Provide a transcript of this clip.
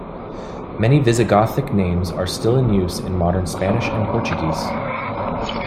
Many Visigothic names are still in use in modern Spanish and Portuguese.